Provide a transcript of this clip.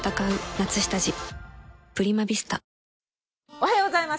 「おはようございます。